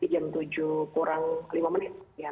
jam tujuh kurang lima menit